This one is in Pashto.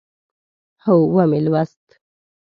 هو، ومی لوست